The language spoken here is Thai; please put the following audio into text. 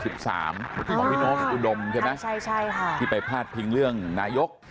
ที่ที่มองพี่น้องคุณดมใช่ไหมที่ไปพาดทิ้งเรื่องนายกใช่ค่ะ